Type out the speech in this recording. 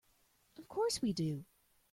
Of course we do.